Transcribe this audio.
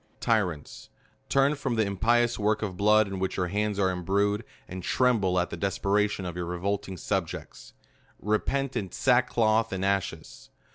TYRANTS ! Turn from the impious t\^ork of blood in which your hands are imbrued, and tremble at the desperation of your revoking subjects ! repent in sack cloth and ashes.